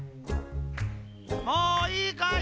もういいかい？